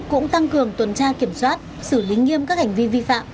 cũng tăng cường tuần tra kiểm soát xử lý nghiêm các hành vi vi phạm